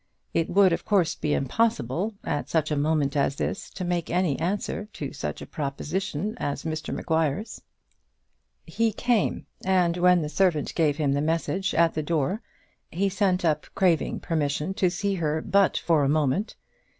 It would, of course, be impossible, at such a moment as this, to make any answer to such a proposition as Mr Maguire's. He came, and when the servant gave him the message at the door, he sent up craving permission to see her but for a moment.